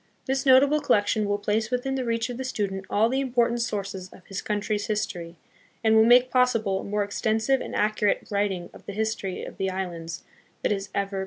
This notable collection will place within the reach of the student all the important sources of his country's history, and will make possible a more extensive and accurate writing of the history of the islands than has ever before been possible.